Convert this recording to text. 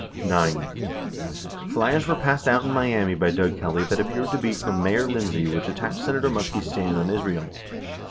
9. Flyers were passed out in Miami by Doug Kelly that appeared to be from Mayor Lindsay which attacked Senator Muskie's stand on Israel.